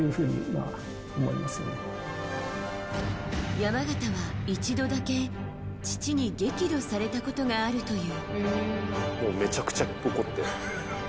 山縣は一度だけ父に激怒されたことがあるという。